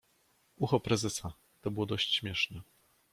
Ucho prezesa. To było dosyć śmieszne.